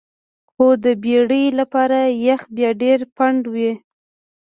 خو د بیړۍ لپاره یخ بیا ډیر پنډ وي